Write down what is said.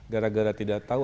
gara gara tidak tahu